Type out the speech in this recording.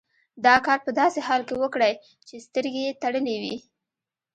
دا کار په داسې حال کې وکړئ چې سترګې یې تړلې وي.